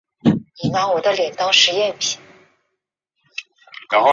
升级附加赛的资格也维持不变。